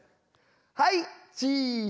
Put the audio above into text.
はいチーズ！